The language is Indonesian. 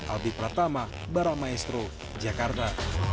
albi pertama baro maestro jakarta